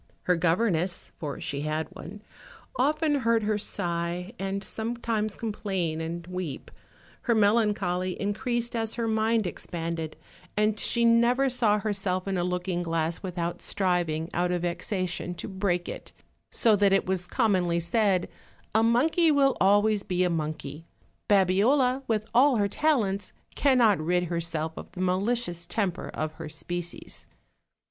Her governess (for she had one) often heard her sigh, and sometimes complain and weep; her melancholy increased as her mind expandexlj 192 OLD, OLD FAIRY TALES. and she never saw herself in a looking glass without striving, out of vexation, to break it; so that it was commonly said: "A monkey will always be a monkey; Babiola, with all her talents, cannot rid herself of the malicious temper of her species."